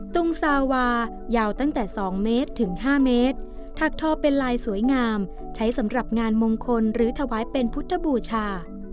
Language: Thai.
ตุงซาวายาวตั้งแต่๒เมตรถึง๕เมตรถักทอเป็นลายสวยงามใช้สำหรับงานมงคลหรือถวายเป็นพุทธบูชา